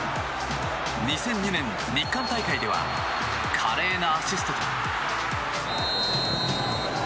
２００２年日韓大会では華麗なアシストと。